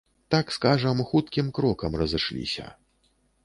Так скажам, хуткім крокам разышліся.